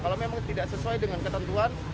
kalau memang tidak sesuai dengan ketentuan